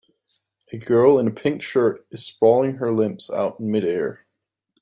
A girl in a pink shirt is sprawling her limbs out in midair.